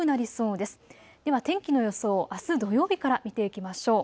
では天気の予想、あす土曜日から見ていきましょう。